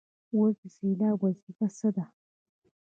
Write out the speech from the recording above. اوس د سېلاب وظیفه څه ده.